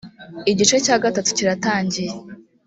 igice cya gatatu kiratangiye .